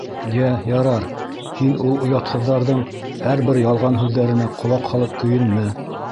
— Йә, ярар, һин ул оятһыҙҙарҙың һәр бер ялған һүҙҙәренә ҡолаҡ һалып көйөнмә.